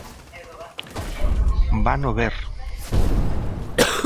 Vano ver.